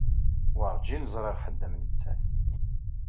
Werǧin ẓriɣ ḥedd am nettat.